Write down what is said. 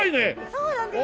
そうなんですよ。